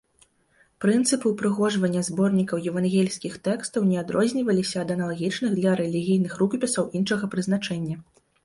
Прынцыпы ўпрыгожвання зборнікаў евангельскіх тэкстаў не адрозніваліся ад аналагічных для рэлігійных рукапісаў іншага прызначэння.